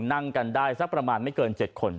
นั่งกันได้สักประมาณไม่เกิน๗คน